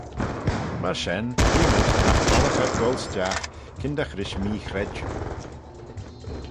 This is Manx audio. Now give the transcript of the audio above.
Myr shen hee mayd nagh voddagh ad goll stiagh kyndagh rish mee-chredjue.